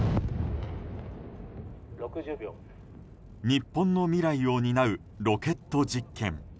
日本の未来を担うロケット実験。